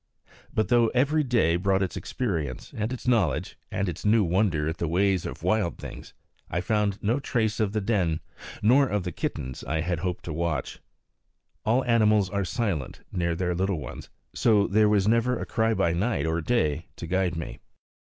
But though every day brought its experience, and its knowledge, and its new wonder at the ways of wild things, I found no trace of the den, nor of the kittens I had hoped to watch. All animals are silent near their little ones, so there was never a cry by night or day to guide me.